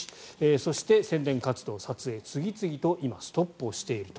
そして、宣伝活動、撮影が次々と今、ストップしていると。